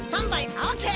オーケー！」